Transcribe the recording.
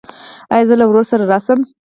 ایا زه له ورور سره راشم؟